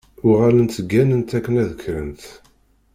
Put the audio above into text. Uɣalent gganent akken ad kkrent.